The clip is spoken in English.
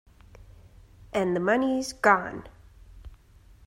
And the money's gone!